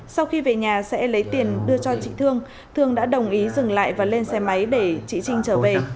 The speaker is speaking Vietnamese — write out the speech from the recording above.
sau khi về nhà sẽ lấy tiền đưa cho chị thương thương đã đồng ý dừng lại và lên xe máy để chị trinh trở về